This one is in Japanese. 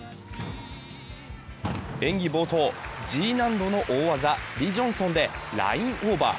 演技冒頭、Ｇ難度の大技リ・ジョンソンでラインオーバー。